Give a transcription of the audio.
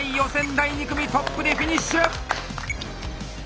第２組トップでフィニッシュ！